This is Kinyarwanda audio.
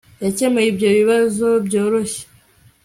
Yakemuye ibyo bibazo byose byoroshye